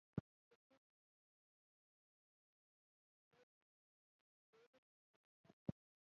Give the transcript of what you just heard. د ټولو انساني معاهداتو له ماتولو سره برابر دی.